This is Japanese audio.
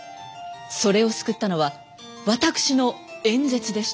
それを救ったのはわたくしの演説でした。